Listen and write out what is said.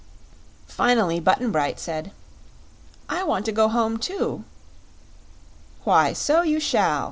Finally, Button Bright said: "I want to go home, too." "Why, so you shall!"